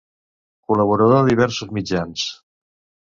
Col·laborador de diversos mitjans.